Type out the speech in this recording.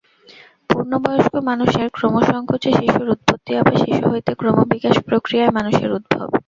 পূর্ণবয়স্ক মানুষের ক্রমসঙ্কোচে শিশুর উৎপত্তি, আবার শিশু হইতে ক্রমবিকাশ-প্রক্রিয়ায় মানুষের উদ্ভব।